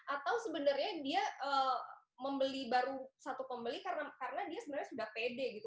atau sebenarnya dia membeli baru satu pembeli karena dia sebenarnya sudah pede gitu